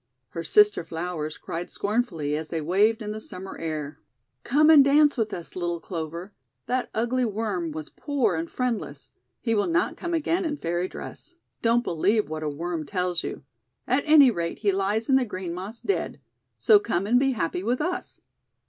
Her sister flowers cried scornfully, as they waved in the Summer air: — 'Come and dance with us, little Clover. That ugly Worm was poor and friendless. He will not come again in Fairy dress. Don't be lieve what a Worm tells you. At any rate he lies in the green Moss dead. So come and be happy with us."